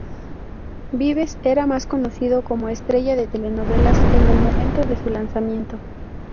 Vives era más conocido como estrella de telenovelas; En el momento de su lanzamiento.